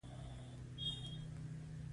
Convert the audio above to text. دا ارزښت د ثابتې پانګې د ودې په پرتله کمزوری دی